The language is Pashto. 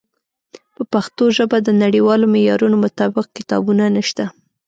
په پښتو ژبه د نړیوالو معیارونو مطابق کتابونه نشته.